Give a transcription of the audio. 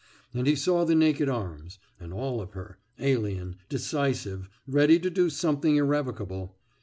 And he saw the naked arms, and all of her, alien, decisive, ready to do something irrevocable.